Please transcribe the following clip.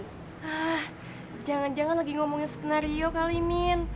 hah jangan jangan lagi ngomongin skenario kali min